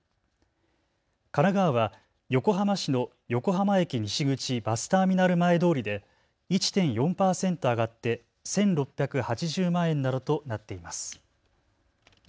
神奈川は横浜市の横浜駅西口バスターミナル前通りで１．４％上がって１６８０万円などとなっています。